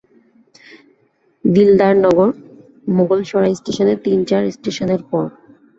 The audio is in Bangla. দিলদারনগর মোগলসরাই ষ্টেশনের তিন-চার ষ্টেশনের পর।